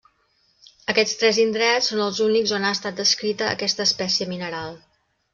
Aquests tres indrets són els únics on ha estat descrita aquesta espècie mineral.